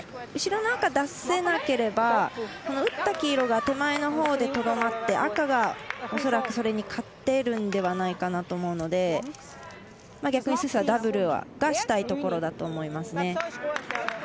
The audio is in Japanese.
後ろの赤、出せなければ打った黄色が手前のほうでとどまって赤が恐らくそれに勝てるんではないかなと思うので逆に、スイスはダブル出したいところだと思います。